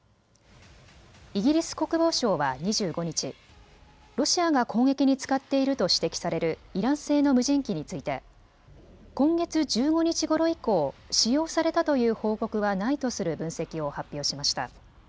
イギリス国防省は２５日、ロシアが攻撃に使っていると指摘されるイラン製の無人機について今月１５日ごろ以降、使用されたという報告はないとする分析を発表しました。